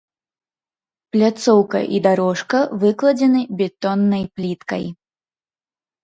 Пляцоўка і дарожка выкладзены бетоннай пліткай.